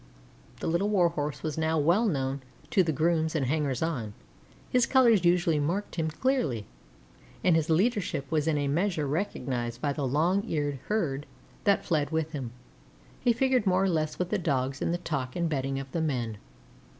The Little Warhorse was now well known to the grooms and hangers on; his colors usually marked him clearly, and his leadership was in a measure recognized by the long eared herd that fled with him. He figured more or less with the Dogs in the talk and betting of the men.